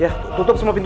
maaf mas salah orang ya